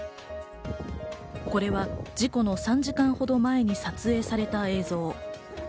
これは事故の３時間ほど前に撮影された映像。